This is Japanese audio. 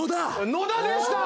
野田でした！